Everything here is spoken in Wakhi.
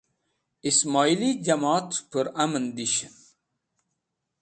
Ismoili Jamoat es̃h Pur Amn Dishan